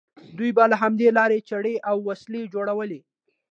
دوی به له همدې لارې چړې او وسلې جوړولې.